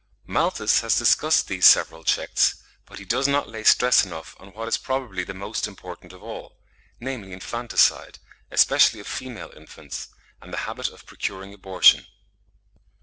Malthus has discussed these several checks, but he does not lay stress enough on what is probably the most important of all, namely infanticide, especially of female infants, and the habit of procuring abortion.